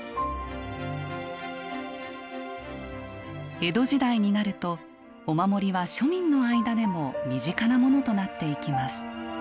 江戸時代になるとお守りは庶民の間でも身近なモノとなっていきます。